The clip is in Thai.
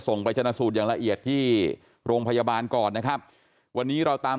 ไปชนะสูตรอย่างละเอียดที่โรงพยาบาลก่อนนะครับวันนี้เราตาม